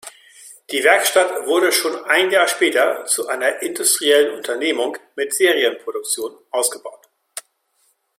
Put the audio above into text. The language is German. Die Werkstatt wurde schon ein Jahr später zu einer industriellen Unternehmung mit Serienproduktion ausgebaut.